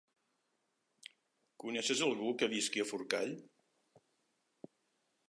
Coneixes algú que visqui a Forcall?